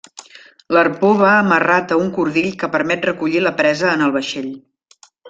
L'arpó va amarrat a un cordill que permet recollir la presa en el vaixell.